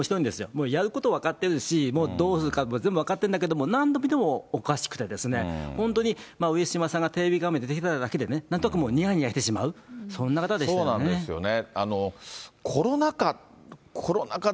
もうやること分かってるし、もうどうするかも分かってるけど、何度見てもおかしくて、本当に上島さんがテレビ画面出てきただけでね、なんとなくもう、にやにやしてしまう、そんな方でしたよね。